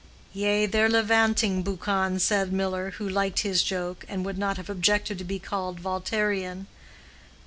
"Say they're levanting, Buchan," said Miller, who liked his joke, and would not have objected to be called Voltairian.